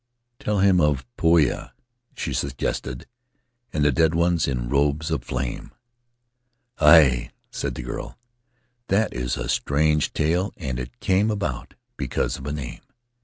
"Tell him of Poia," she suggested, "and the dead ones in robes of flame." "A ue^ said the girl; "that is a strange tale, and it came about because of a name."